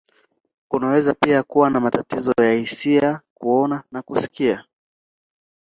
Kunaweza pia kuwa na matatizo ya hisia, kuona, na kusikia.